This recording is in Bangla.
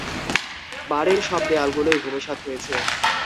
বাড়ির সব দেয়ালগুলোই ভূমিসাৎ হয়েছে।